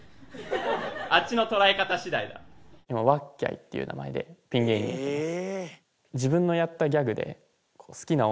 今わっきゃいっていう名前でピン芸人やってます。